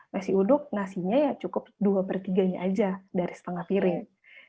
nasi uduk nasinya ya cukup dua per tiganya aja dari setengah piring